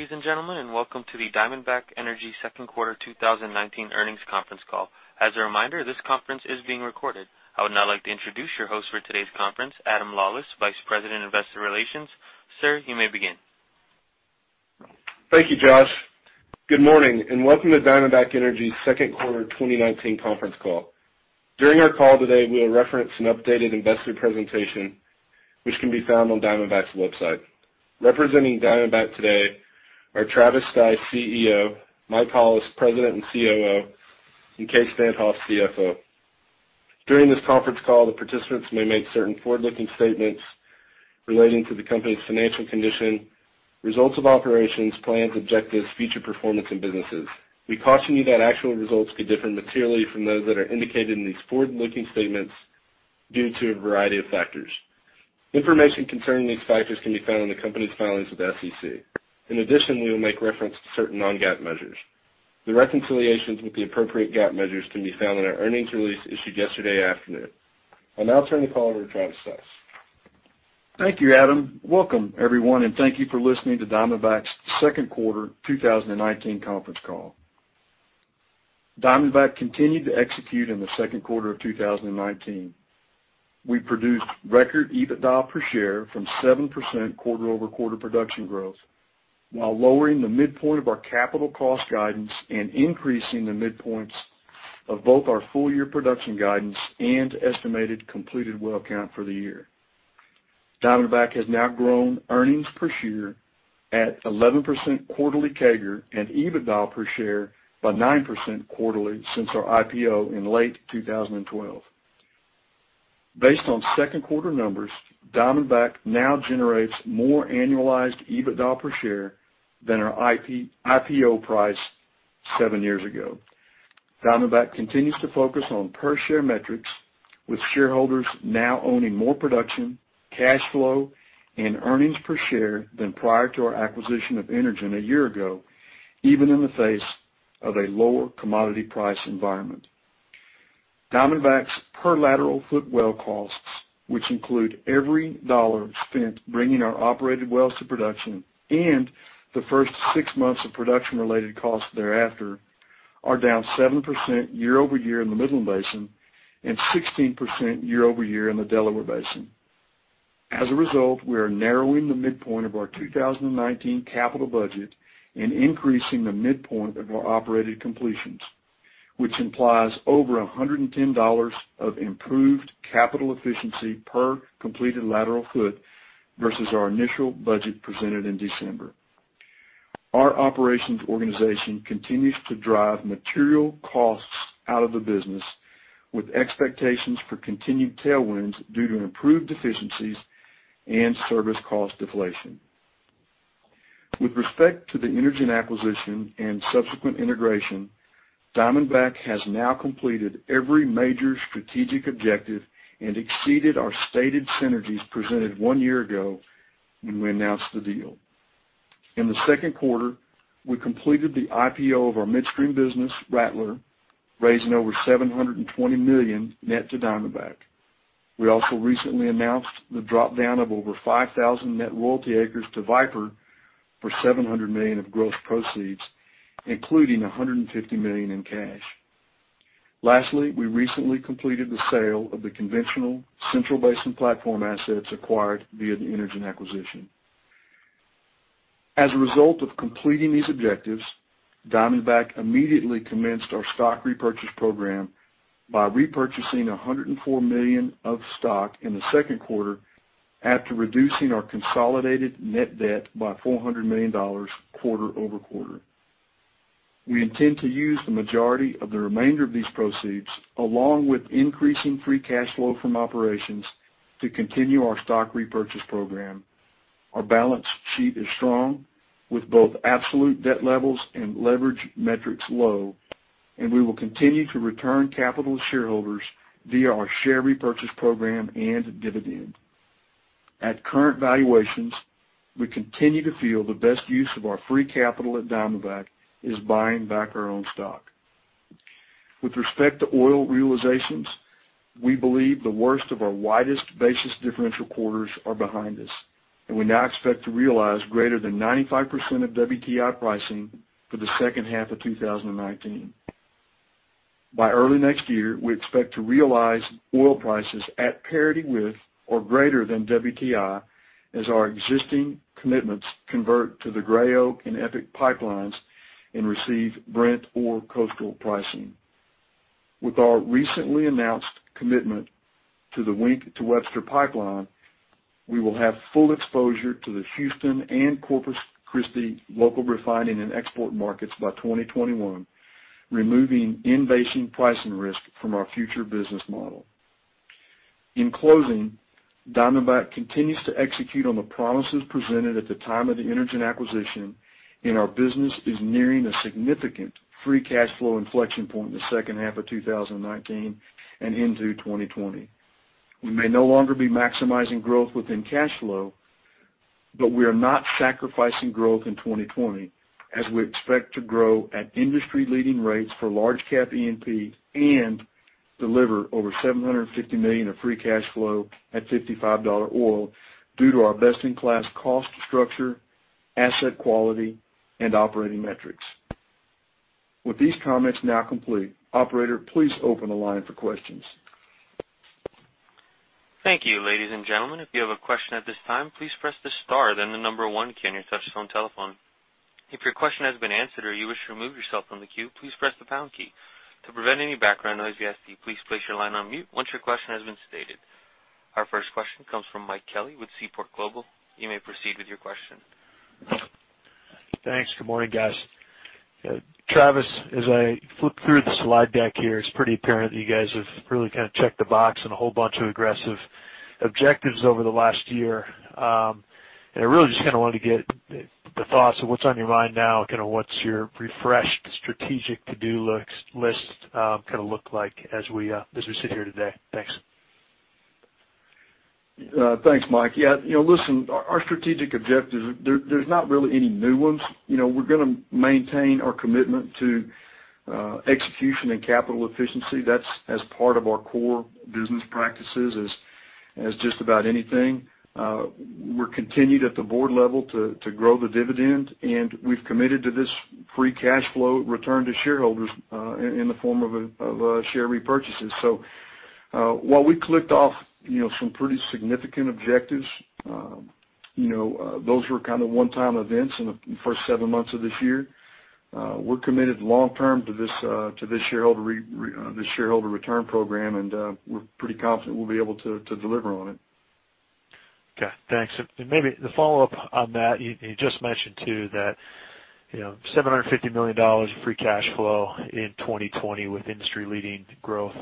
Good day, ladies and gentlemen, welcome to the Diamondback Energy second quarter 2019 earnings conference call. As a reminder, this conference is being recorded. I would now like to introduce your host for today's conference, Adam Lawlis, Vice President, Investor Relations. Sir, you may begin. Thank you, Josh. Good morning, and welcome to Diamondback Energy's second quarter 2019 conference call. During our call today, we'll reference an updated investor presentation, which can be found on Diamondback's website. Representing Diamondback today are Travis Stice, CEO, Mike Hollis, President and COO, and Kaes Van't Hof, CFO. During this conference call, the participants may make certain forward-looking statements relating to the company's financial condition, results of operations, plans, objectives, future performance and businesses. We caution you that actual results could differ materially from those that are indicated in these forward-looking statements due to a variety of factors. Information concerning these factors can be found in the company's filings with the SEC. In addition, we will make reference to certain non-GAAP measures. The reconciliations with the appropriate GAAP measures can be found in our earnings release issued yesterday afternoon. I'll now turn the call over to Travis Stice. Thank you, Adam. Welcome, everyone, and thank you for listening to Diamondback's second quarter 2019 conference call. Diamondback continued to execute in the second quarter of 2019. We produced record EBITDA per share from 7% quarter-over-quarter production growth, while lowering the midpoint of our capital cost guidance and increasing the midpoints of both our full-year production guidance and estimated completed well count for the year. Diamondback has now grown earnings per share at 11% quarterly CAGR and EBITDA per share by 9% quarterly since our IPO in late 2012. Based on second quarter numbers, Diamondback now generates more annualized EBITDA per share than our IPO price seven years ago. Diamondback continues to focus on per share metrics, with shareholders now owning more production, cash flow, and earnings per share than prior to our acquisition of Energen a year ago, even in the face of a lower commodity price environment. Diamondback Energy's per lateral foot well costs, which include every dollar spent bringing our operated wells to production and the first six months of production-related costs thereafter, are down 7% year-over-year in the Midland Basin and 16% year-over-year in the Delaware Basin. As a result, we are narrowing the midpoint of our 2019 capital budget and increasing the midpoint of our operated completions, which implies over $110 of improved capital efficiency per completed lateral foot versus our initial budget presented in December. Our operations organization continues to drive material costs out of the business, with expectations for continued tailwinds due to improved efficiencies and service cost deflation. With respect to the Energen acquisition and subsequent integration, Diamondback Energy has now completed every major strategic objective and exceeded our stated synergies presented one year ago when we announced the deal. In the second quarter, we completed the IPO of our midstream business, Rattler, raising over $720 million net to Diamondback. We also recently announced the drop-down of over 5,000 net royalty acres to Viper for $700 million of gross proceeds, including $150 million in cash. Lastly, we recently completed the sale of the conventional Central Basin Platform assets acquired via the Energen acquisition. As a result of completing these objectives, Diamondback immediately commenced our stock repurchase program by repurchasing $104 million of stock in the second quarter after reducing our consolidated net debt by $400 million quarter-over-quarter. We intend to use the majority of the remainder of these proceeds, along with increasing free cash flow from operations, to continue our stock repurchase program. Our balance sheet is strong, with both absolute debt levels and leverage metrics low, and we will continue to return capital to shareholders via our share repurchase program and dividend. At current valuations, we continue to feel the best use of our free capital at Diamondback is buying back our own stock. With respect to oil realizations, we believe the worst of our widest basis differential quarters are behind us, and we now expect to realize greater than 95% of WTI pricing for the second half of 2019. By early next year, we expect to realize oil prices at parity with or greater than WTI as our existing commitments convert to the Gray Oak and EPIC pipelines and receive Brent or coastal pricing. With our recently announced commitment to the Wink to Webster Pipeline, we will have full exposure to the Houston and Corpus Christi local refining and export markets by 2021, removing in-basin pricing risk from our future business model. In closing, Diamondback continues to execute on the promises presented at the time of the Energen acquisition, and our business is nearing a significant free cash flow inflection point in the second half of 2019 and into 2020. We may no longer be maximizing growth within cash flow, but we are not sacrificing growth in 2020, as we expect to grow at industry-leading rates for large cap E&P and deliver over $750 million of free cash flow at $55 oil due to our best-in-class cost structure, asset quality, and operating metrics. With these comments now complete, operator, please open the line for questions. Thank you, ladies and gentlemen. If you have a question at this time, please press the star, then the number one key on your touchtone telephone. If your question has been answered or you wish to remove yourself from the queue, please press the pound key. To prevent any background noise, we ask that you please place your line on mute once your question has been stated. Our first question comes from Michael Kelly with Seaport Global. You may proceed with your question. Thanks. Good morning, guys. Travis, as I flip through the slide deck here, it's pretty apparent that you guys have really checked the box on a whole bunch of aggressive objectives over the last year. I really just wanted to get the thoughts of what's on your mind now, what's your refreshed strategic to-do list kind of look like as we sit here today? Thanks. Thanks, Mike. Yeah. Our strategic objectives, there's not really any new ones. We're going to maintain our commitment to execution and capital efficiency. That's as part of our core business practices, as just about anything. We're continued at the board level to grow the dividend, and we've committed to this free cash flow return to shareholders in the form of share repurchases. While we clicked off some pretty significant objectives, those were kind of one-time events in the first seven months of this year. We're committed long-term to this shareholder return program, and we're pretty confident we'll be able to deliver on it. Okay. Thanks. Maybe the follow-up on that, you just mentioned too, that $750 million of free cash flow in 2020 with industry-leading growth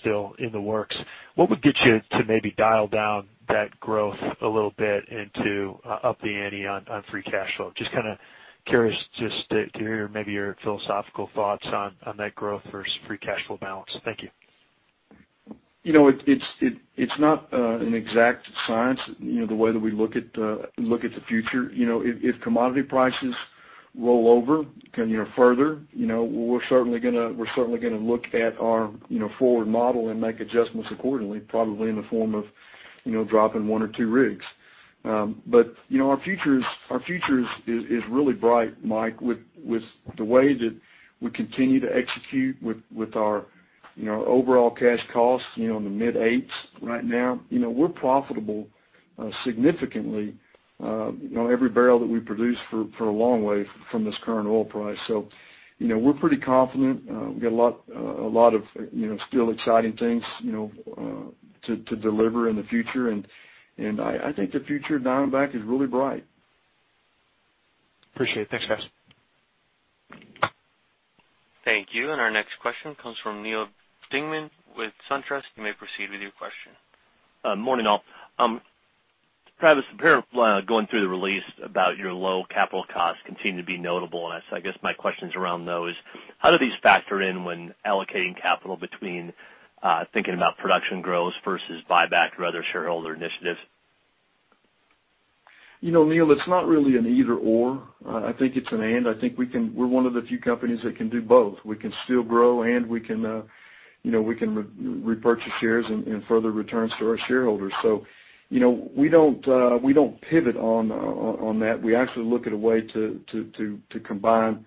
still in the works. What would get you to maybe dial down that growth a little bit and to up the ante on free cash flow? Just kind of curious just to hear maybe your philosophical thoughts on that growth versus free cash flow balance. Thank you. It's not an exact science, the way that we look at the future. If commodity prices roll over further, we're certainly going to look at our forward model and make adjustments accordingly, probably in the form of dropping one or two rigs. Our future is really bright, Mike, with the way that we continue to execute with our overall cash costs, in the mid eights right now. We're profitable significantly on every barrel that we produce for a long way from this current oil price. We're pretty confident. We've got a lot of still exciting things to deliver in the future. I think the future of Diamondback is really bright. Appreciate it. Thanks, guys. Thank you. Our next question comes from Neal Dingmann with SunTrust. You may proceed with your question. Morning, all. Travis, going through the release about your low capital costs continue to be notable. I guess my questions around those. How do these factor in when allocating capital between thinking about production growth versus buyback or other shareholder initiatives? Neal, it's not really an either/or. I think it's an and. I think we're one of the few companies that can do both. We can still grow, and we can repurchase shares and further returns to our shareholders. We don't pivot on that. We actually look at a way to combine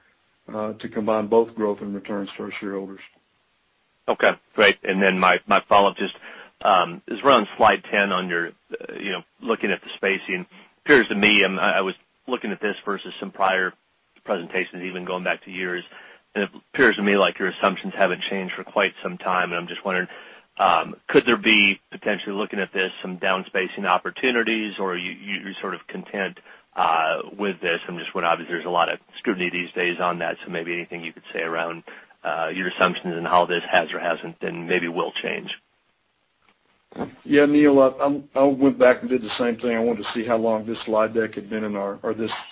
both growth and returns to our shareholders. Okay, great. Then my follow-up just is around slide 10 on your looking at the spacing. It appears to me, I was looking at this versus some prior presentations, even going back to years, and it appears to me like your assumptions haven't changed for quite some time. I'm just wondering, could there be potentially looking at this some down-spacing opportunities, or are you sort of content with this? I'm just wonder-- obviously, there's a lot of scrutiny these days on that, so maybe anything you could say around your assumptions and how this has or hasn't and maybe will change. Yeah, Neal, I went back and did the same thing. I wanted to see how long this slide had been in our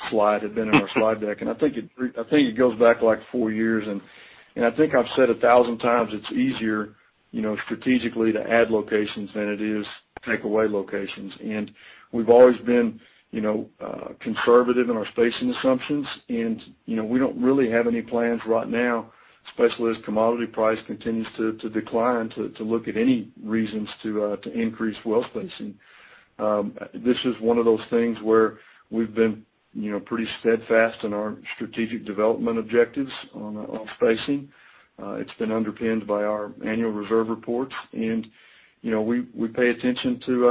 slide deck, and I think it goes back, like, four years. I think I've said 1,000 times, it's easier strategically to add locations than it is to take away locations. We've always been conservative in our spacing assumptions, and we don't really have any plans right now, especially as commodity price continues to decline, to look at any reasons to increase well spacing. This is one of those things where we've been pretty steadfast in our strategic development objectives on spacing. It's been underpinned by our annual reserve reports, and we pay attention to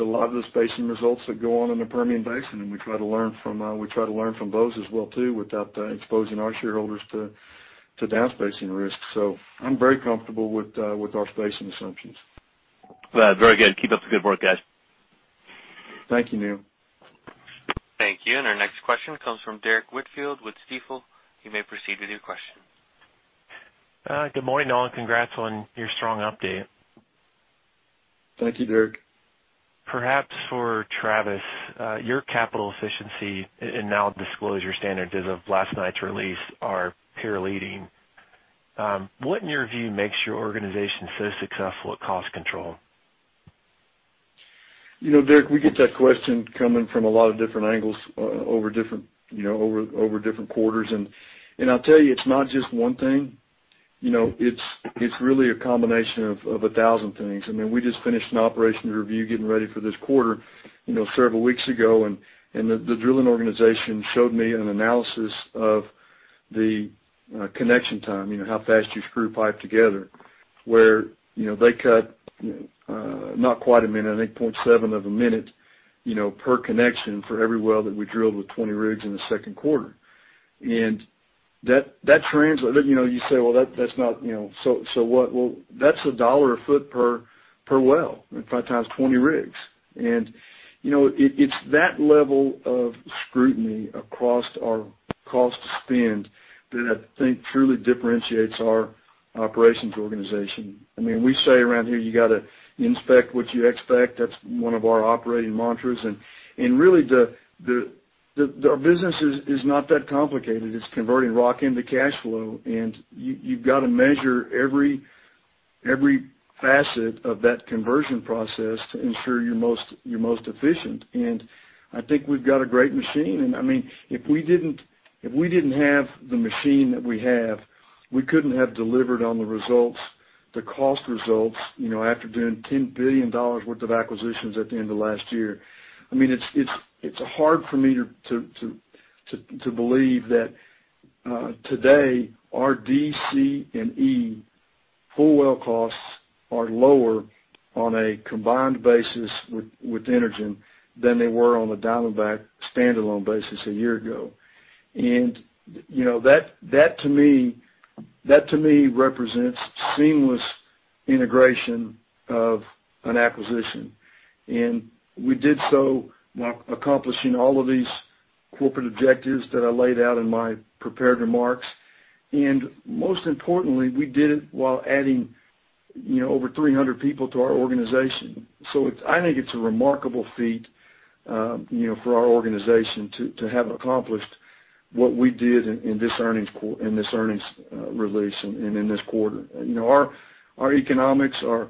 a lot of the spacing results that go on in the Permian Basin, and we try to learn from those as well too, without exposing our shareholders to down-spacing risks. I'm very comfortable with our spacing assumptions. Very good. Keep up the good work, guys. Thank you, Neal. Thank you. Our next question comes from Derrick Whitfield with Stifel. You may proceed with your question. Good morning, all, and congrats on your strong update. Thank you, Derrick. Perhaps for Travis, your capital efficiency and now disclosure standards as of last night's release are peer leading. What in your view makes your organization so successful at cost control? You know, Derrick, we get that question coming from a lot of different angles over different quarters. I'll tell you, it's not just one thing. It's really a combination of a thousand things. We just finished an operations review getting ready for this quarter several weeks ago, and the drilling organization showed me an analysis of the connection time, how fast you screw pipe together, where they cut not quite a minute, I think 0.7 of a minute, per connection for every well that we drilled with 20 rigs in the second quarter. That translates. You say, "Well, that's not So what?" That's $1 a foot per well, if I times 20 rigs. It's that level of scrutiny across our cost to spend that I think truly differentiates our operations organization. We say around here, "You got to inspect what you expect." That's one of our operating mantras. Really, our business is not that complicated. It's converting rock into cash flow, and you've got to measure every facet of that conversion process to ensure you're most efficient. I think we've got a great machine. If we didn't have the machine that we have, we couldn't have delivered on the results, the cost results, after doing $10 billion worth of acquisitions at the end of last year. It's hard for me to believe that today our DC&E full well costs are lower on a combined basis with Energen than they were on the Diamondback standalone basis a year ago. That to me represents seamless integration of an acquisition. We did so while accomplishing all of these corporate objectives that I laid out in my prepared remarks. Most importantly, we did it while adding over 300 people to our organization. I think it's a remarkable feat for our organization to have accomplished what we did in this earnings release and in this quarter. Our economics are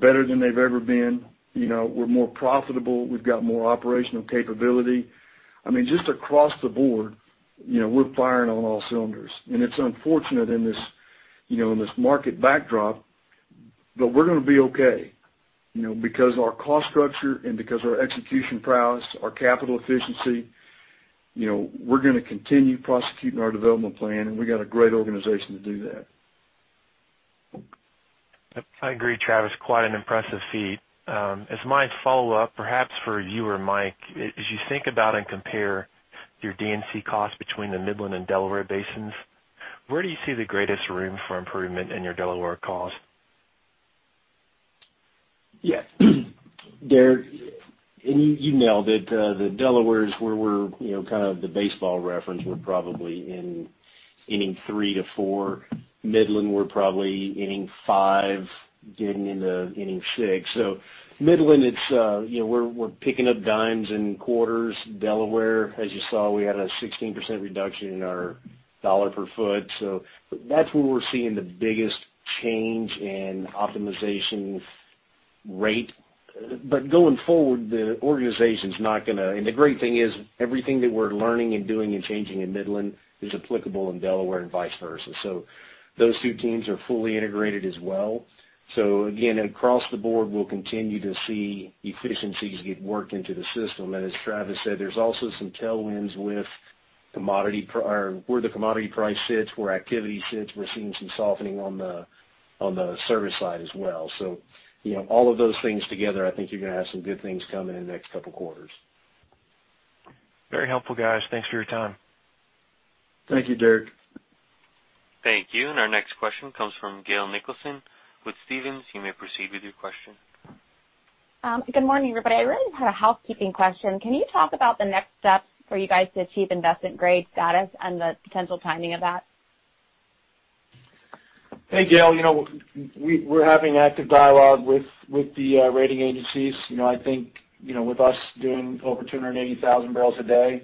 better than they've ever been. We're more profitable. We've got more operational capability. Just across the board, we're firing on all cylinders. It's unfortunate in this market backdrop, but we're going to be okay. Because our cost structure and because our execution prowess, our capital efficiency, we're going to continue prosecuting our development plan, and we've got a great organization to do that. I agree, Travis, quite an impressive feat. As my follow-up, perhaps for you or Mike, as you think about and compare your D&C costs between the Midland and Delaware basins, where do you see the greatest room for improvement in your Delaware cost? Derrick, you nailed it. The Delaware is where we're, kind of the baseball reference, we're probably in inning three to four. Midland, we're probably inning five, getting into inning six. Midland, we're picking up dimes and quarters. Delaware, as you saw, we had a 16% reduction in our $ per foot. That's where we're seeing the biggest change in optimization rate. Going forward, the great thing is, everything that we're learning and doing and changing in Midland is applicable in Delaware and vice versa. Those two teams are fully integrated as well. Again, across the board, we'll continue to see efficiencies get worked into the system. As Travis said, there's also some tailwinds with where the commodity price sits, where activity sits. We're seeing some softening on the service side as well. All of those things together, I think you're going to have some good things coming in the next couple of quarters. Very helpful, guys. Thanks for your time. Thank you, Derrick. Thank you. Our next question comes from Gail Nicholson with Stephens. You may proceed with your question. Good morning, everybody. I really just had a housekeeping question. Can you talk about the next steps for you guys to achieve investment-grade status and the potential timing of that? Hey, Gail. We're having active dialogue with the rating agencies. I think, with us doing over 280,000 barrels a day,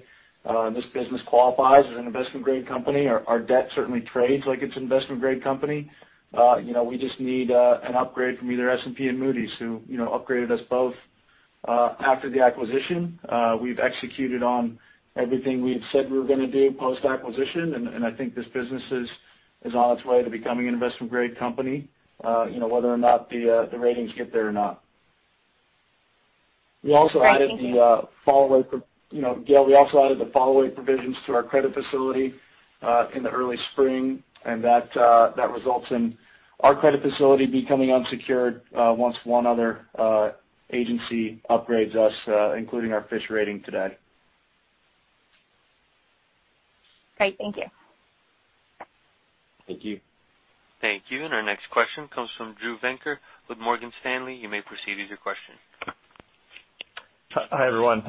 this business qualifies as an investment-grade company. Our debt certainly trades like it's an investment-grade company. We just need an upgrade from either S&P and Moody's, who upgraded us both after the acquisition. We've executed on everything we had said we were going to do post-acquisition, and I think this business is on its way to becoming an investment-grade company, whether or not the ratings get there or not. Great. Thank you. Gail, we also added the fall-away provisions to our credit facility in the early spring, and that results in our credit facility becoming unsecured once one other agency upgrades us, including our Fitch rating today. Great. Thank you. Thank you. Thank you. Our next question comes from Drew Venker with Morgan Stanley. You may proceed with your question. Hi, everyone.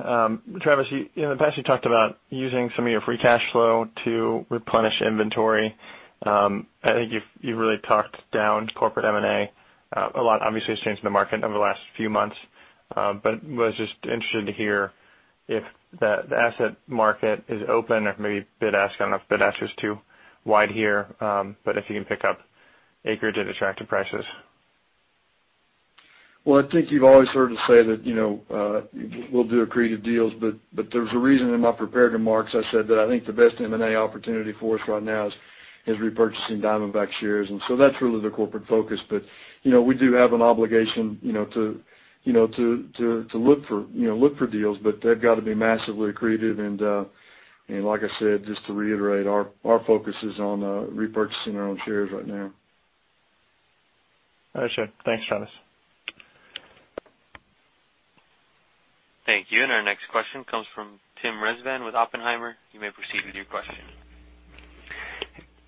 Travis, in the past, you talked about using some of your free cash flow to replenish inventory. I think you've really talked down corporate M&A a lot. Obviously, it's changed in the market over the last few months. I was just interested to hear if the asset market is open or if maybe bid-ask, I don't know if bid-ask is too wide here, but if you can pick up? acreage at attractive prices? Well, I think you've always heard us say that, we'll do accretive deals, but there's a reason in my prepared remarks, I said that I think the best M&A opportunity for us right now is repurchasing Diamondback shares. That's really the corporate focus. We do have an obligation to look for deals, but they've got to be massively accretive and, like I said, just to reiterate, our focus is on repurchasing our own shares right now. Understood. Thanks, Travis. Thank you. Our next question comes from Tim Rezvan with Oppenheimer. You may proceed with your question.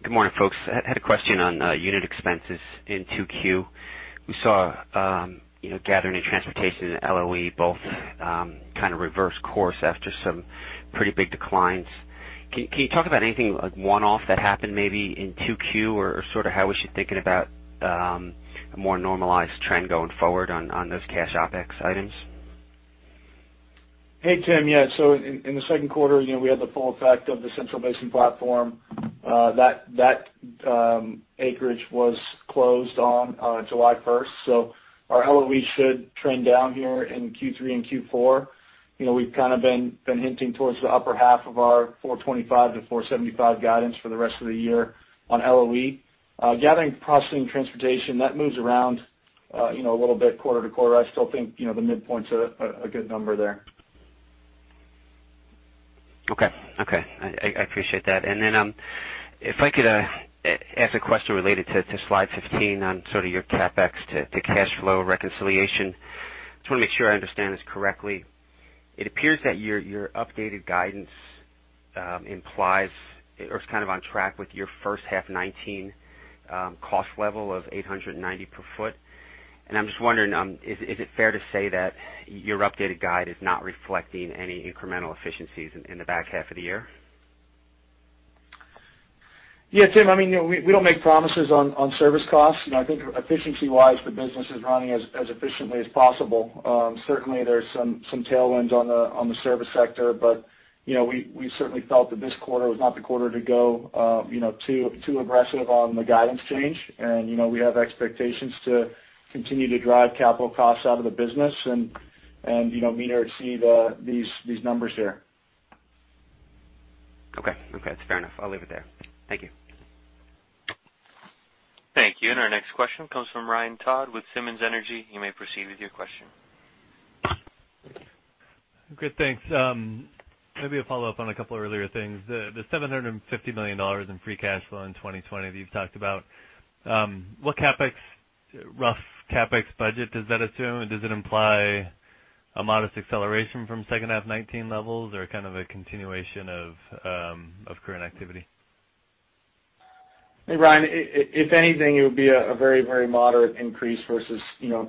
Good morning, folks. I had a question on unit expenses in 2Q. We saw gathering and transportation and LOE both kind of reverse course after some pretty big declines. Can you talk about anything like one-off that happened maybe in 2Q or sort of how we should think about a more normalized trend going forward on those cash OPEX items? Hey, Tim. Yeah, in the second quarter, we had the full effect of the Central Basin Platform. That acreage was closed on July 1, our LOE should trend down here in Q3 and Q4. We've kind of been hinting towards the upper half of our $425-$475 guidance for the rest of the year on LOE. Gathering, processing, transportation, that moves around a little bit quarter-over-quarter. I still think the midpoint's a good number there. Okay. I appreciate that. Then, if I could ask a question related to slide 15 on sort of your CapEx to cash flow reconciliation. Just want to make sure I understand this correctly. It appears that your updated guidance implies or is kind of on track with your first half 2019 cost level of $890 per foot. I'm just wondering, is it fair to say that your updated guide is not reflecting any incremental efficiencies in the back half of the year? Yeah, Tim, we don't make promises on service costs. I think efficiency-wise, the business is running as efficiently as possible. Certainly, there's some tailwinds on the service sector. We certainly felt that this quarter was not the quarter to go too aggressive on the guidance change. We have expectations to continue to drive capital costs out of the business and meet or exceed these numbers here. Okay. That's fair enough. I'll leave it there. Thank you. Thank you. Our next question comes from Ryan Todd with Simmons Energy. You may proceed with your question. Good, thanks. Maybe a follow-up on a couple earlier things. The $750 million in free cash flow in 2020 that you've talked about, what rough CapEx budget does that assume? Does it imply a modest acceleration from second half 2019 levels or kind of a continuation of current activity? Hey, Ryan, if anything, it would be a very moderate increase versus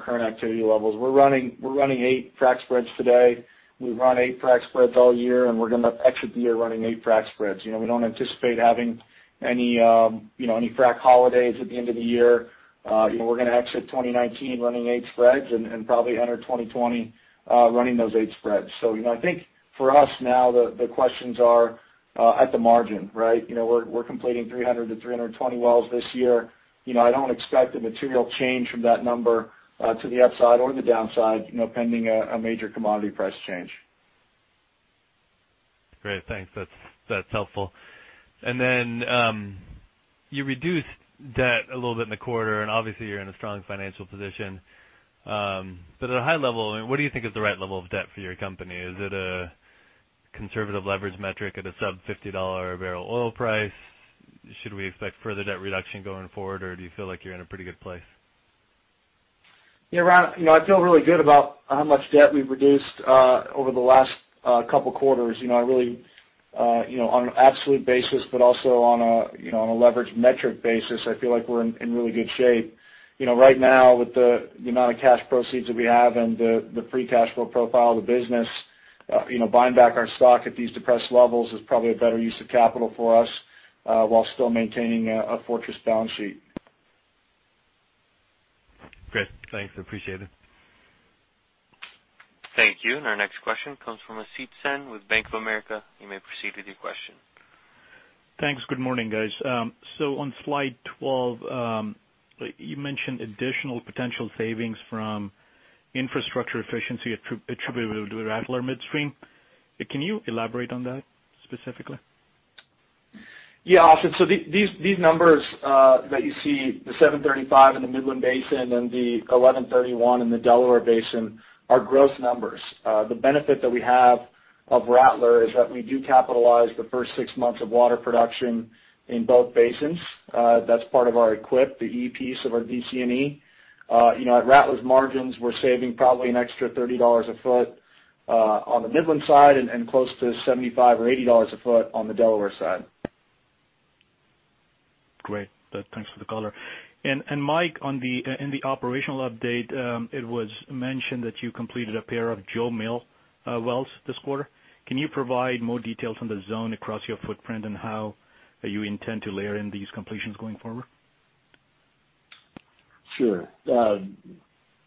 current activity levels. We're running eight frac spreads today. We've run eight frac spreads all year, and we're going to exit the year running eight frac spreads. We don't anticipate having any frac holidays at the end of the year. We're going to exit 2019 running eight spreads and probably enter 2020 running those eight spreads. I think for us now, the questions are at the margin, right? We're completing 300-320 wells this year. I don't expect a material change from that number to the upside or the downside, pending a major commodity price change. Great. Thanks. That's helpful. You reduced debt a little bit in the quarter, and obviously, you're in a strong financial position. At a high level, what do you think is the right level of debt for your company? Is it a conservative leverage metric at a sub-$50 a barrel oil price? Should we expect further debt reduction going forward, or do you feel like you're in a pretty good place? Yeah, Ryan, I feel really good about how much debt we've reduced over the last couple of quarters. On an absolute basis, but also on a leverage metric basis, I feel like we're in really good shape. Right now, with the amount of cash proceeds that we have and the free cash flow profile of the business, buying back our stock at these depressed levels is probably a better use of capital for us while still maintaining a fortress balance sheet. Great. Thanks. I appreciate it. Thank you. Our next question comes from Asit Sen with Bank of America. You may proceed with your question. Thanks. Good morning, guys. On slide 12, you mentioned additional potential savings from infrastructure efficiency attributable to Rattler Midstream. Can you elaborate on that specifically? Yeah, Asit. These numbers that you see, the 735 in the Midland Basin and the 1131 in the Delaware Basin are gross numbers. The benefit that we have of Rattler is that we do capitalize the first 6 months of water production in both basins. That's part of our equipment, the E piece of our DC&E. At Rattler's margins, we're saving probably an extra $30 a foot on the Midland side and close to $75 or $80 a foot on the Delaware side. Great. Thanks for the color. Mike, in the operational update, it was mentioned that you completed a pair of Jo Mill wells this quarter. Can you provide more details on the zone across your footprint and how you intend to layer in these completions going forward? Sure.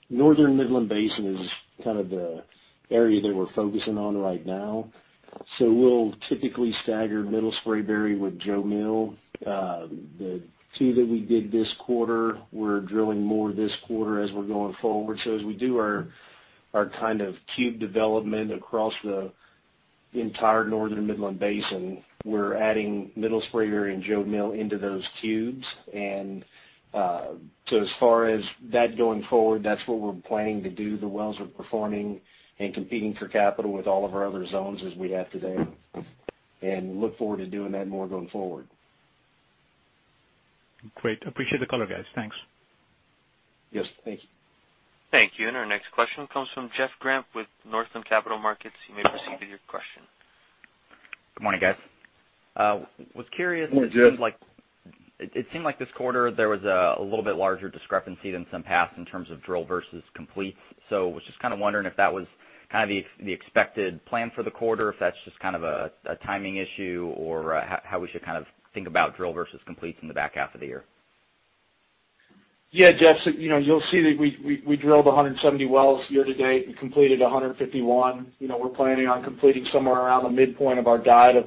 Northern Midland Basin is kind of the area that we're focusing on right now. We'll typically stagger Middle Spraberry with Jo Mill. The two that we did this quarter, we're drilling more this quarter as we're going forward. As we do our kind of cube development across the entire Northern Midland Basin, we're adding Middle Spraberry and Jo Mill into those cubes. As far as that going forward, that's what we're planning to do. The wells are performing and competing for capital with all of our other zones as we have today. Look forward to doing that more going forward. Great. Appreciate the color, guys. Thanks. Yes. Thank you. Thank you. Our next question comes from Jeff Grampp with Northland Capital Markets. You may proceed with your question. Good morning, guys. Good morning, Jeff. It seemed like this quarter there was a little bit larger discrepancy than some past in terms of drill versus completes. Was just kind of wondering if that was the expected plan for the quarter, if that's just kind of a timing issue, or how we should think about drill versus completes in the back half of the year? Yeah, Jeff, you'll see that we drilled 170 wells year-to-date and completed 151. We're planning on completing somewhere around the midpoint of our guide of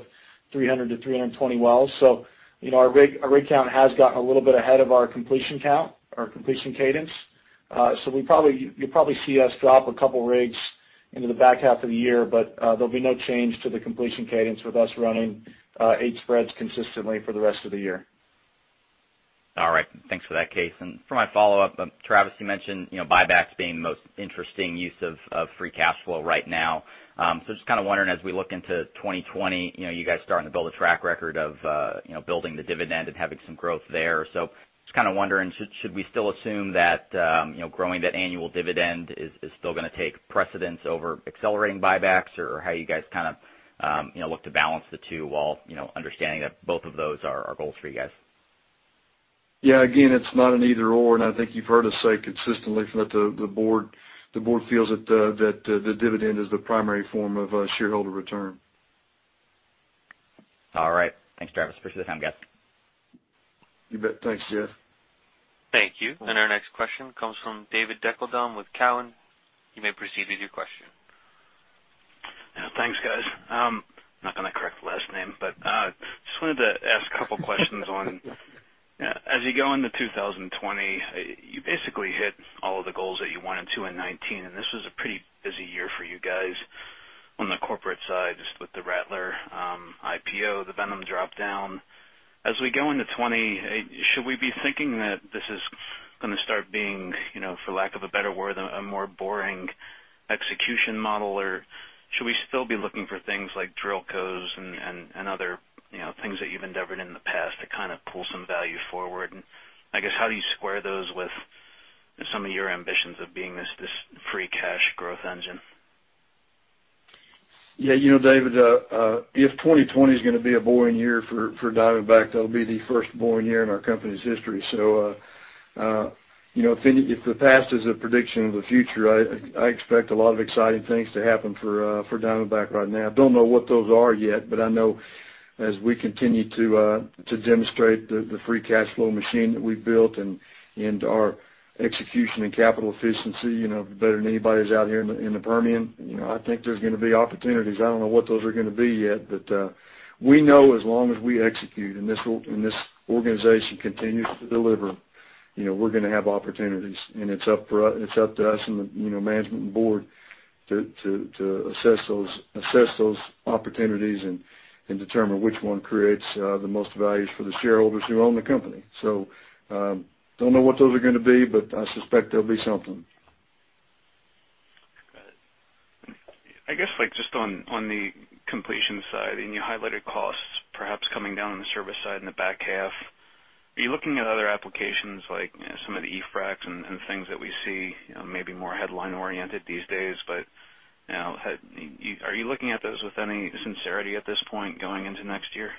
300-320 wells. Our rig count has gotten a little bit ahead of our completion count, our completion cadence. You'll probably see us drop a couple rigs into the back half of the year, but there'll be no change to the completion cadence with us running eight spreads consistently for the rest of the year. All right. Thanks for that, Kaes. For my follow-up, Travis, you mentioned buybacks being the most interesting use of free cash flow right now. Just kind of wondering as we look into 2020, you guys starting to build a track record of building the dividend and having some growth there. Just kind of wondering, should we still assume that growing that annual dividend is still going to take precedence over accelerating buybacks? Or how you guys look to balance the two while understanding that both of those are goals for you guys? Yeah. Again, it's not an either/or, and I think you've heard us say consistently that the board feels that the dividend is the primary form of shareholder return. All right. Thanks, Travis. Appreciate the time, guys. You bet. Thanks, Jeff. Thank you. Our next question comes from David Deckelbaum with Cowen. You may proceed with your question. Thanks, guys. I'm not going to correct the last name, but just wanted to ask a couple questions on, as you go into 2020, you basically hit all of the goals that you wanted to in 2019, and this was a pretty busy year for you guys on the corporate side, just with the Rattler IPO, the Viper drop down. As we go into 2020, should we be thinking that this is going to start being, for lack of a better word, a more boring execution model? Should we still be looking for things like DrillCos and other things that you've endeavored in the past to kind of pull some value forward? I guess, how do you square those with some of your ambitions of being this free cash growth engine? Yeah, David, if 2020's going to be a boring year for Diamondback, that'll be the first boring year in our company's history. If the past is a prediction of the future, I expect a lot of exciting things to happen for Diamondback right now. Don't know what those are yet, but I know as we continue to demonstrate the free cash flow machine that we've built and our execution and capital efficiency, better than anybody who's out here in the Permian. I think there's going to be opportunities. I don't know what those are going to be yet, but we know as long as we execute and this organization continues to deliver, we're going to have opportunities. It's up to us and the management and board to assess those opportunities and determine which one creates the most values for the shareholders who own the company. Don't know what those are going to be, but I suspect there'll be something. Got it. I guess just on the completion side, you highlighted costs perhaps coming down on the service side in the back half. Are you looking at other applications like some of the e-fracs and things that we see, maybe more headline oriented these days, but are you looking at those with any sincerity at this point going into next year?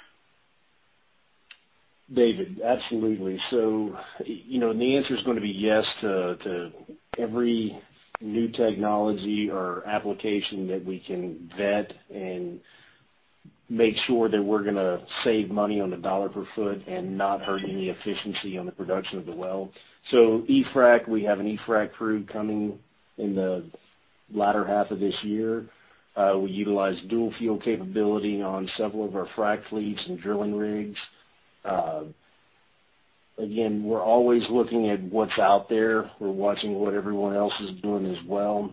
David, absolutely. The answer's going to be yes to every new technology or application that we can vet and make sure that we're going to save money on the dollar per foot and not hurt any efficiency on the production of the well. e-frac, we have an e-frac crew coming in the latter half of this year. We utilize dual fuel capability on several of our frac fleets and drilling rigs. Again, we're always looking at what's out there. We're watching what everyone else is doing as well.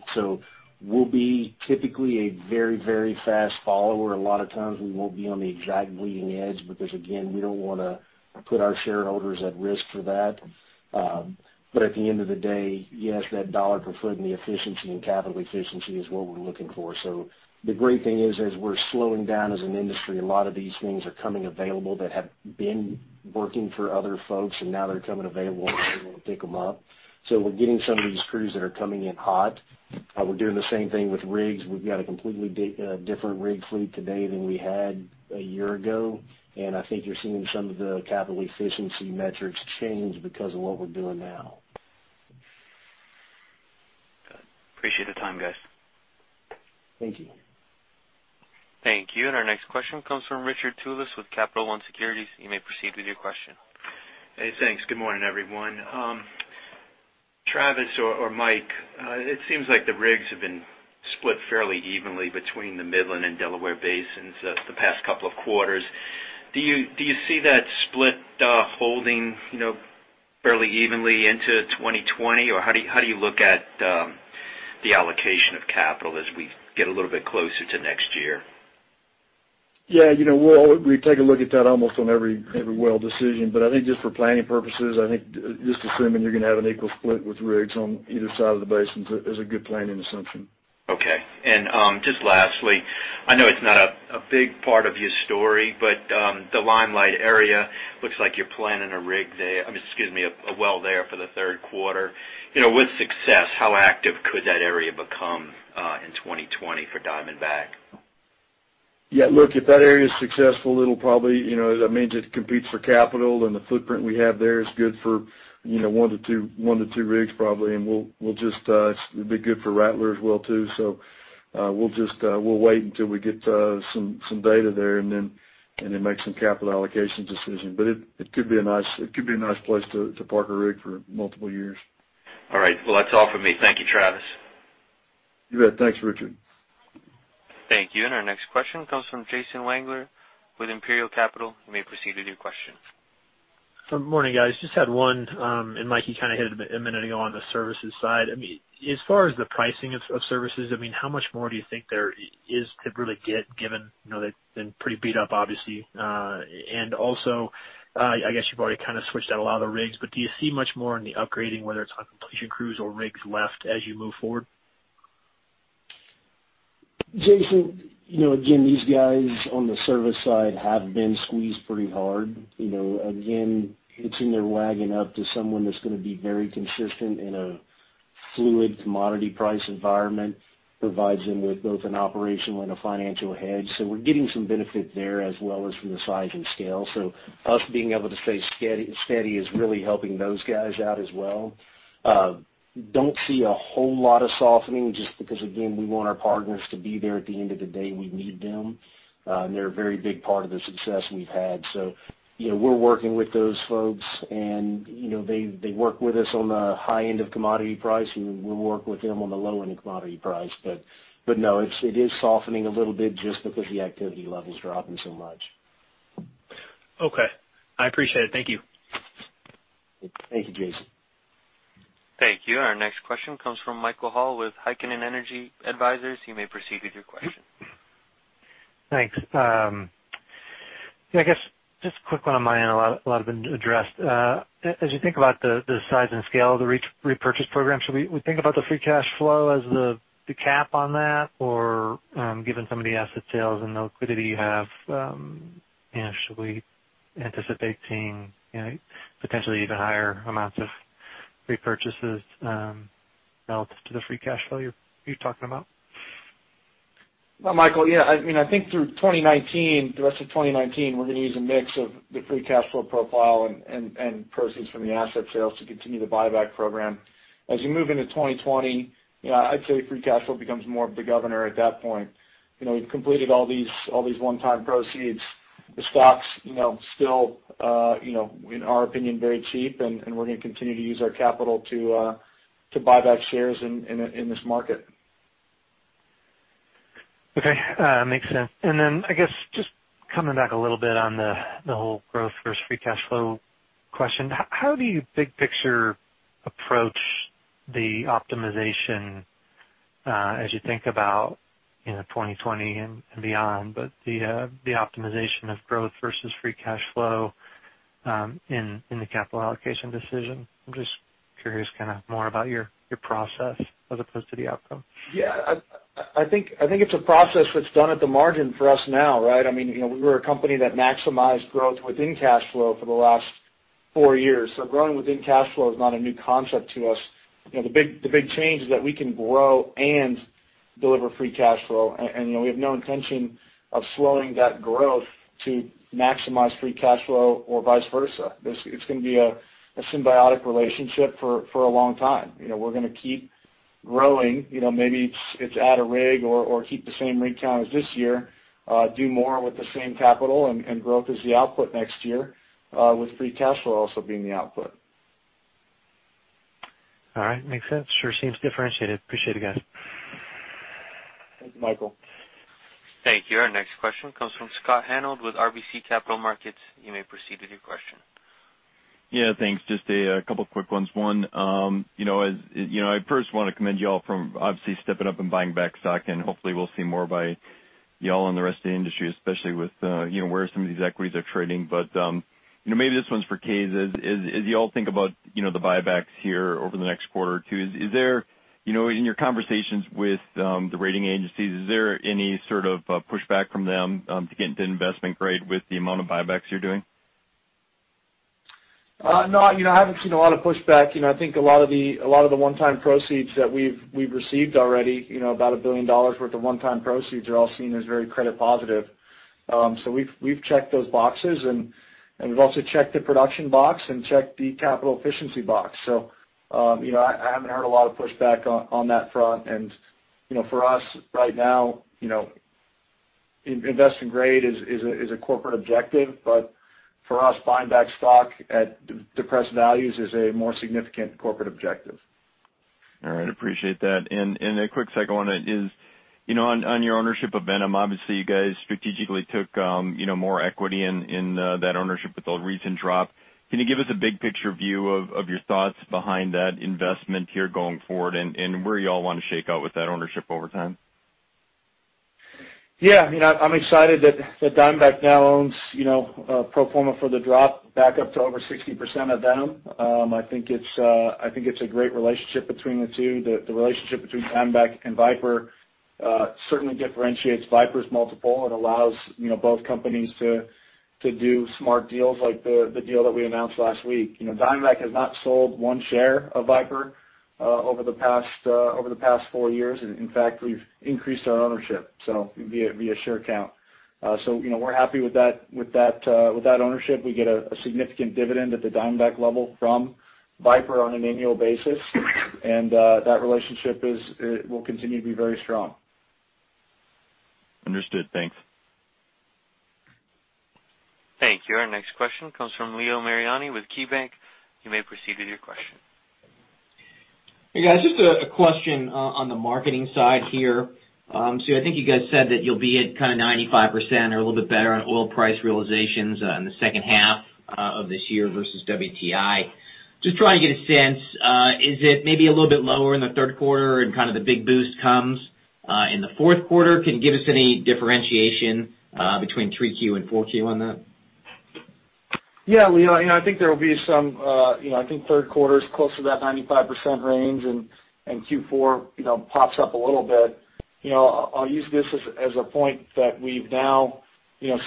We'll be typically a very fast follower. A lot of times we won't be on the exact leading edge because, again, we don't want to put our shareholders at risk for that. At the end of the day, yes, that dollar per foot and the efficiency and capital efficiency is what we're looking for. The great thing is, as we're slowing down as an industry, a lot of these things are coming available that have been working for other folks, and now they're coming available and we're able to pick them up. We're getting some of these crews that are coming in hot. We're doing the same thing with rigs. We've got a completely different rig fleet today than we had a year ago, and I think you're seeing some of the capital efficiency metrics change because of what we're doing now. Good. Appreciate the time, guys. Thank you. Thank you. Our next question comes from Richard Tullis with Capital One Securities. You may proceed with your question. Hey, thanks. Good morning, everyone. Travis or Mike, it seems like the rigs have been split fairly evenly between the Midland and Delaware basins the past couple of quarters. Do you see that split holding fairly evenly into 2020, or how do you look at the allocation of capital as we get a little bit closer to next year? Yeah. We take a look at that almost on every well decision. I think just for planning purposes, I think just assuming you're going to have an equal split with rigs on either side of the basin is a good planning assumption. Okay. Lastly, I know it's not a big part of your story, but the Limelight area looks like you're planning a well there for the third quarter. With success, how active could that area become in 2020 for Diamondback? Look, if that area's successful, that means it competes for capital, and the footprint we have there is good for 1 to 2 rigs probably. It'd be good for Rattler as well too. We'll wait until we get some data there, and then make some capital allocation decisions. It could be a nice place to park a rig for multiple years. All right. Well, that's all for me. Thank you, Travis. You bet. Thanks, Richard. Thank you. Our next question comes from Jason Wangler with Imperial Capital. You may proceed with your question. Good morning, guys. Just had one. Mike, you kind of hit it a minute ago on the services side. As far as the pricing of services, how much more do you think there is to really get, given they've been pretty beat up, obviously. Also, I guess you've already kind of switched out a lot of the rigs, but do you see much more in the upgrading, whether it's on completion crews or rigs left as you move forward? Jason, again, these guys on the service side have been squeezed pretty hard. Hitching their wagon up to someone that's going to be very consistent in a fluid commodity price environment provides them with both an operational and a financial hedge. We're getting some benefit there, as well as from the size and scale. Us being able to stay steady is really helping those guys out as well. Don't see a whole lot of softening, just because, again, we want our partners to be there at the end of the day. We need them. They're a very big part of the success we've had. We're working with those folks, and they work with us on the high end of commodity pricing, and we work with them on the low-end commodity price. No, it is softening a little bit just because the activity level's dropping so much. Okay. I appreciate it. Thank you. Thank you, Jason. Thank you. Our next question comes from Michael Hall with Heikkinen Energy Advisors. You may proceed with your question. Thanks. Yeah, I guess just a quick one on my end. A lot have been addressed. As you think about the size and scale of the repurchase program, should we think about the free cash flow as the cap on that? Given some of the asset sales and the liquidity you have, should we anticipate seeing potentially even higher amounts of repurchases relative to the free cash flow you're talking about? Well, Michael, yeah. I think through the rest of 2019, we're going to use a mix of the free cash flow profile and proceeds from the asset sales to continue the buyback program. As you move into 2020, I'd say free cash flow becomes more of the governor at that point. We've completed all these one-time proceeds. The stock's still, in our opinion, very cheap, and we're going to continue to use our capital to buy back shares in this market. Okay. Makes sense. Then I guess just coming back a little bit on the whole growth versus free cash flow question, how do you big picture approach the optimization as you think about 2020 and beyond? The optimization of growth versus free cash flow in the capital allocation decision. I'm just curious more about your process as opposed to the outcome. I think it's a process that's done at the margin for us now, right? We're a company that maximized growth within cash flow for the last four years. Growing within cash flow is not a new concept to us. The big change is that we can grow and deliver free cash flow. We have no intention of slowing that growth to maximize free cash flow or vice versa. It's going to be a symbiotic relationship for a long time. We're going to keep growing. Maybe it's add a rig or keep the same rig count as this year, do more with the same capital, and growth is the output next year, with free cash flow also being the output. All right. Makes sense. Sure seems differentiated. Appreciate it, guys. Thank you, Michael. Thank you. Our next question comes from Scott Hanold with RBC Capital Markets. You may proceed with your question. Thanks. Just a couple quick ones. I first want to commend you all for obviously stepping up and buying back stock, Hopefully we'll see more by you all and the rest of the industry, especially with where some of these equities are trading. Maybe this one's for Kaes. As you all think about the buybacks here over the next quarter or two, in your conversations with the rating agencies, is there any sort of pushback from them to get into investment grade with the amount of buybacks you're doing? No. I haven't seen a lot of pushback. I think a lot of the one-time proceeds that we've received already, about $1 billion worth of one-time proceeds, are all seen as very credit positive. We've checked those boxes, and we've also checked the production box and checked the capital efficiency box. I haven't heard a lot of pushback on that front. For us right now, you know. Investment grade is a corporate objective, but for us, buying back stock at depressed values is a more significant corporate objective. All right. Appreciate that. A quick second one is on your ownership of Viper. Obviously, you guys strategically took more equity in that ownership with the recent drop. Can you give us a big picture view of your thoughts behind that investment here going forward, and where you all want to shake out with that ownership over time? Yeah, I'm excited that Diamondback now owns pro forma for the drop back up to over 60% of Viper. I think it's a great relationship between the two. The relationship between Diamondback and Viper certainly differentiates Viper's multiple and allows both companies to do smart deals like the deal that we announced last week. Diamondback has not sold one share of Viper over the past four years. We've increased our ownership via share count. We're happy with that ownership. We get a significant dividend at the Diamondback level from Viper on an annual basis, and that relationship will continue to be very strong. Understood. Thanks. Thank you. Our next question comes from Leo Mariani with KeyBanc. You may proceed with your question. Hey, guys. Just a question on the marketing side here. I think you guys said that you'll be at kind of 95% or a little bit better on oil price realizations in the second half of this year versus WTI. Just trying to get a sense, is it maybe a little bit lower in the third quarter and kind of the big boost comes in the fourth quarter? Can you give us any differentiation between three Q and four Q on that? Yeah, Leo, I think third quarter is close to that 95% range and Q4 pops up a little bit. I'll use this as a point that we've now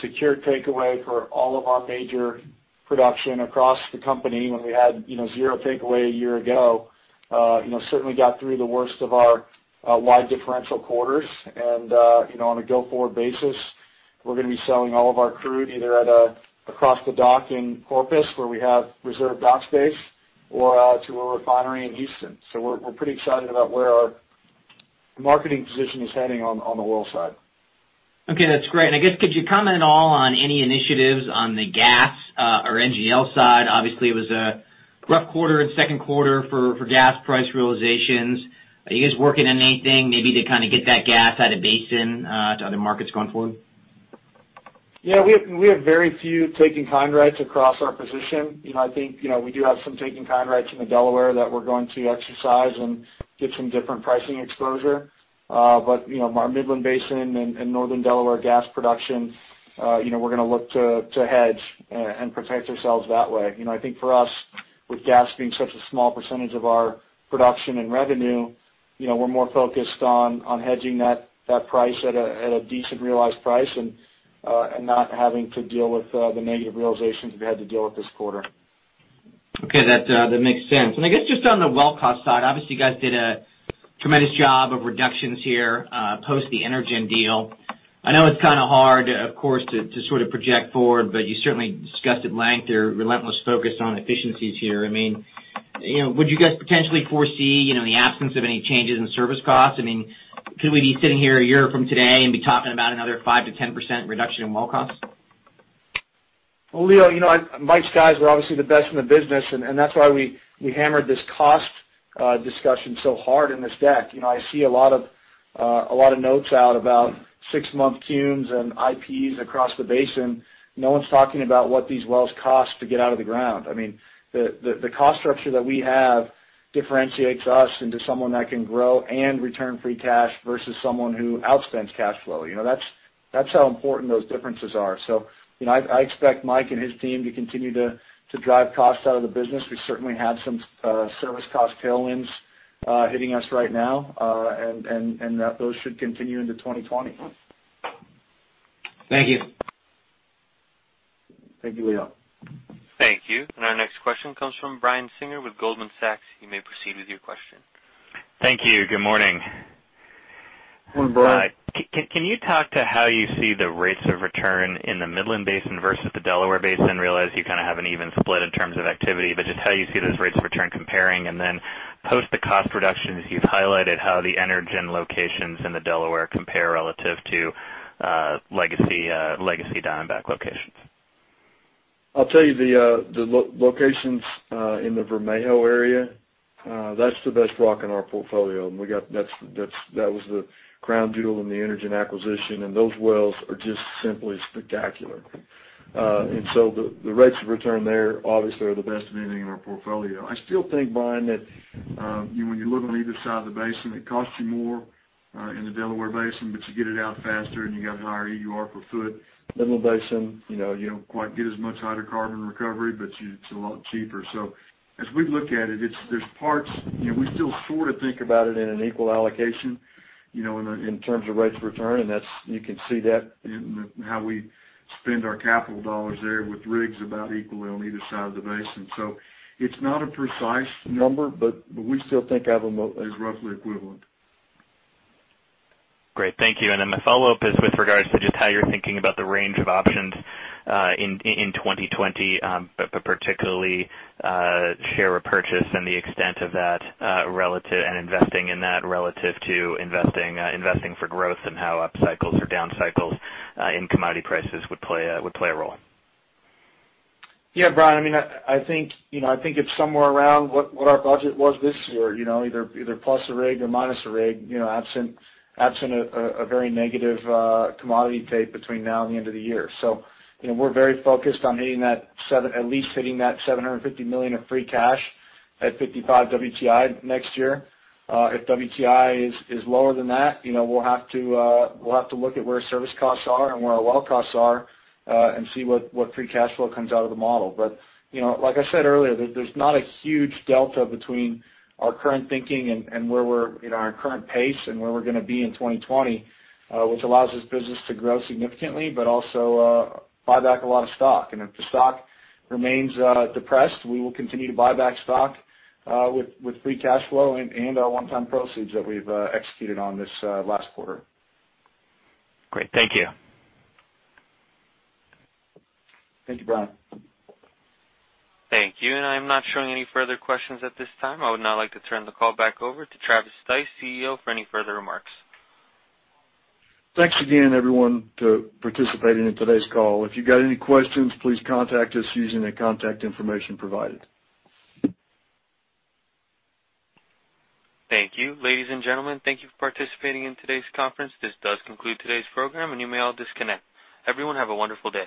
secured takeaway for all of our major production across the company when we had zero takeaway a year ago. Certainly got through the worst of our wide differential quarters. On a go-forward basis, we're going to be selling all of our crude either across the dock in Corpus where we have reserved dock space or out to a refinery in Houston. We're pretty excited about where our marketing position is heading on the oil side. Okay. That's great. I guess could you comment at all on any initiatives on the gas or NGL side? Obviously, it was a rough quarter in second quarter for gas price realizations. Are you guys working on anything maybe to kind of get that gas out of basin to other markets going forward? Yeah, we have very few take-in-kind rights across our position. I think we do have some take-in-kind rights in the Delaware that we're going to exercise and get some different pricing exposure. Our Midland Basin and Northern Delaware gas production, we're going to look to hedge and protect ourselves that way. I think for us, with gas being such a small % of our production and revenue, we're more focused on hedging that price at a decent realized price and not having to deal with the negative realizations we had to deal with this quarter. Okay. That makes sense. I guess just on the well cost side, obviously you guys did a tremendous job of reductions here post the Energen deal. I know it's kind of hard, of course, to sort of project forward, but you certainly discussed at length your relentless focus on efficiencies here. Would you guys potentially foresee, the absence of any changes in service costs? Could we be sitting here a year from today and be talking about another 5%-10% reduction in well costs? Well, Leo, Mike's guys are obviously the best in the business. That's why we hammered this cost discussion so hard in this deck. I see a lot of notes out about six-month CUMs and IPs across the basin. No one's talking about what these wells cost to get out of the ground. The cost structure that we have differentiates us into someone that can grow and return free cash versus someone who outspends cash flow. That's how important those differences are. I expect Mike and his team to continue to drive costs out of the business. We certainly have some service cost tailwinds hitting us right now. Those should continue into 2020. Thank you. Thank you, Leo. Thank you. Our next question comes from Brian Singer with Goldman Sachs. You may proceed with your question. Thank you. Good morning. Good morning, Brian. Can you talk to how you see the rates of return in the Midland Basin versus the Delaware Basin, realize you kind of have an even split in terms of activity, but just how you see those rates of return comparing, and then post the cost reductions you've highlighted, how the Energen locations in the Delaware compare relative to legacy Diamondback locations? I'll tell you, the locations in the Vermejo area, that's the best rock in our portfolio. That was the crown jewel in the Energen acquisition, and those wells are just simply spectacular. The rates of return there obviously are the best of anything in our portfolio. I still think, Brian, that when you look on either side of the basin, it costs you more in the Delaware Basin, but you get it out faster and you got higher EUR per foot. Midland Basin, you don't quite get as much hydrocarbon recovery, but it's a lot cheaper. As we look at it, we still sort of think about it in an equal allocation in terms of rates of return, and you can see that in how we spend our capital dollars there with rigs about equally on either side of the basin. It's not a precise number, but we still think of them as roughly equivalent. Great. Thank you. My follow-up is with regards to just how you're thinking about the range of options in 2020, particularly share repurchase and the extent of that and investing in that relative to investing for growth and how up cycles or down cycles in commodity prices would play a role. Brian, I think it's somewhere around what our budget was this year, either plus a rig or minus a rig, absent a very negative commodity tape between now and the end of the year. We're very focused on at least hitting that $750 million of free cash at $55 WTI next year. If WTI is lower than that, we'll have to look at where service costs are and where our well costs are and see what free cash flow comes out of the model. Like I said earlier, there's not a huge delta between our current thinking and our current pace and where we're going to be in 2020, which allows this business to grow significantly, but also buy back a lot of stock. If the stock remains depressed, we will continue to buy back stock with free cash flow and our one-time proceeds that we've executed on this last quarter. Great. Thank you. Thank you, Brian. Thank you. I'm not showing any further questions at this time. I would now like to turn the call back over to Travis Stice, CEO, for any further remarks. Thanks again, everyone, to participating in today's call. If you got any questions, please contact us using the contact information provided. Thank you. Ladies and gentlemen, thank you for participating in today's conference. This does conclude today's program, and you may all disconnect. Everyone have a wonderful day.